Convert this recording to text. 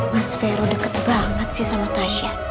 mas vero deket banget sih sama tasya